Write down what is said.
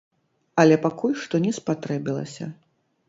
Але пакуль што не спатрэбілася.